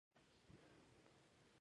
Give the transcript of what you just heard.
اختر پټ مېړه نه دی متل د اختر ارزښت ښيي